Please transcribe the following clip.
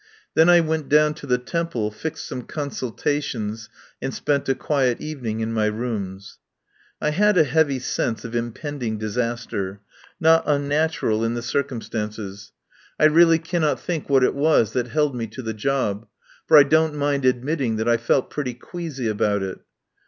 Then I went down to the Temple, fixed some consultations, and spent a quiet evening in my rooms. I had a heavy sense of impend ing disaster, not unnatural in the circum 93 THE POWER HOUSE stances. I really cannot think what it was that held me to the job, for I don't mind admitting that I felt pretty queasy about it.